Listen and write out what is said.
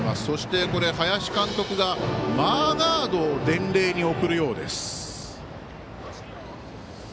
そして林監督がマーガードを伝令に送るようです。